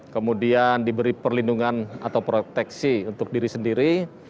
kemudian diberi perlindungan atau proteksi untuk diri sendiri